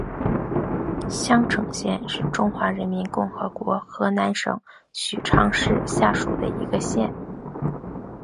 襄城县是中华人民共和国河南省许昌市下属的一个县。